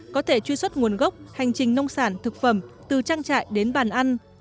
có thể truy xuất nguồn gốc hành trình nông sản thực phẩm từ trang trại đến bàn ăn